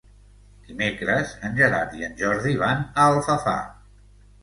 Dimecres en Gerard i en Jordi van a Alfafar.